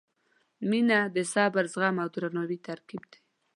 • مینه د صبر، زغم او درناوي ترکیب دی.